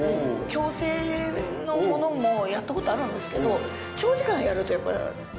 矯正のものもやったことあるんですけど。